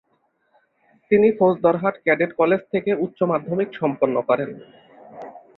তিনি Faujdarhat cadet college থেকে উচ্চ মাধ্যমিক সম্পন্ন করেন।